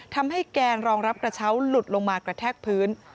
แกนรองรับกระเช้าหลุดลงมากระแทกพื้น